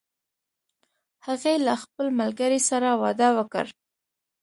هغې له خپل ملګری سره واده وکړ